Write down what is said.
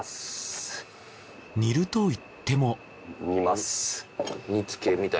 煮るといっても。